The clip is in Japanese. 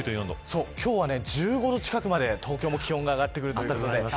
今日は、１５度近くまで東京も気温が上がってきます。